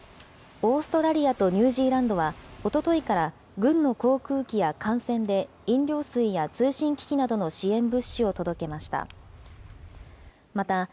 オーストラリアとニュージーランドはおとといから、軍の航空機や艦船で飲料水や通信機器などの支援物資を届けました。